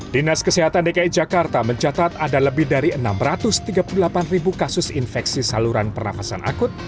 dinas kesehatan dki jakarta mencatat ada lebih dari enam ratus tiga puluh delapan ribu kasus infeksi saluran pernafasan akut